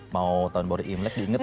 mau tahun baru imlek diinget